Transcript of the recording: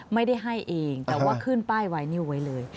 ไม่ได้ให้เองแต่ว่าขึ้นป้ายไวนิวไว้เลย